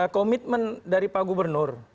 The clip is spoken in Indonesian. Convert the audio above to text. komitmen dari pak gubernur